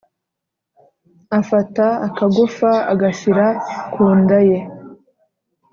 Afata akagufa agashyira ku nda ye.